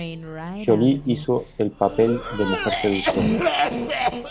Jolie hizo el papel de mujer seductora.